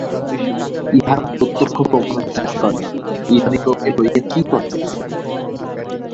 ইহারা প্রত্যক্ষ প্রমাণও বিশ্বাস করে না–ইহাদিগকে লইয়া কী করা যাইবে?